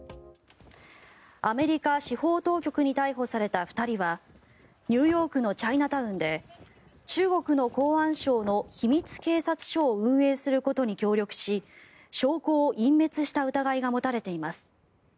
アメリカ司法当局に逮捕された２人はニューヨークのチャイナタウンで中国の公安省の秘密警察署を運営することに協力し証拠を隠滅した疑いが持たれています。